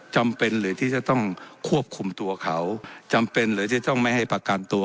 จำเป็นเลยที่จะต้องควบคุมตัวเขาจำเป็นเลยที่ต้องไม่ให้ประกันตัว